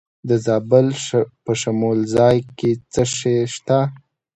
د زابل په شمولزای کې څه شی شته؟